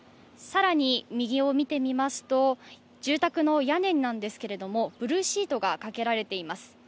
更に、右を見てみますと、住宅の屋根なんですけれども、ブルーシートがかけられています。